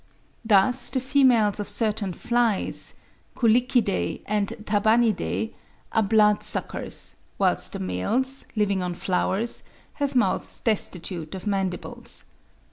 Thus the females of certain flies (Culicidae and Tabanidae) are blood suckers, whilst the males, living on flowers, have mouths destitute of mandibles.